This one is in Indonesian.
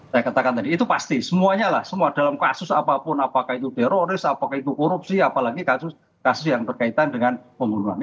saya katakan tadi itu pasti semuanya lah semua dalam kasus apapun apakah itu teroris apakah itu korupsi apalagi kasus kasus yang berkaitan dengan pembunuhan